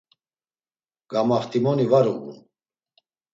Gamaxtimoni var uğun.